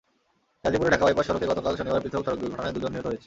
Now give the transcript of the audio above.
গাজীপুরে ঢাকা বাইপাস সড়কে গতকাল শনিবার পৃথক সড়ক দুর্ঘটনায় দুজন নিহত হয়েছেন।